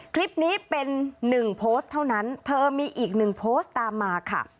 คลิปนี้เป็น๑โพสต์เท่านั้นเธอมีอีก๑โพสต์ตามมาค่ะ